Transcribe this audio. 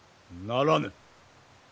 ならぬ。